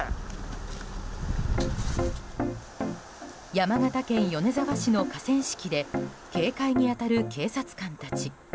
山形県米沢市の河川敷で警戒に当たる警察官たち。